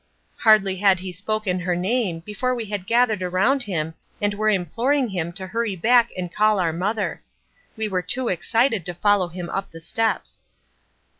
Hardly had he spoken her name, before we had gathered around him and were imploring him to hurry back and call our mother. We were too excited to follow him up the steps.